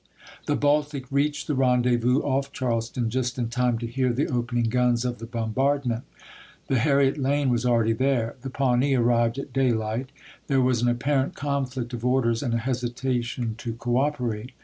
The Baltic reached the rendezvous off Charleston just in time to hear the opening guns of the bombardment. The Har riet Lane was akeady there. The Paivnee arrived at daylight. There was an apparent conflict of orders, and a hesitation to cooperate.